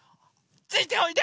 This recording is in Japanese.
ついておいで！